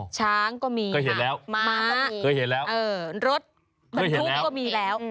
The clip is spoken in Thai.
ช้างก็มีม้าก็มีรถก็มีแล้ว